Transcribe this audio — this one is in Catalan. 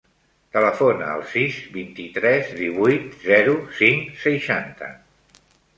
Telefona al sis, vint-i-tres, divuit, zero, cinc, seixanta.